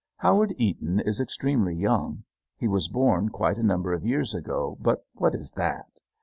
Howard Eaton is extremely young. He was born quite a number of years ago, but what is that?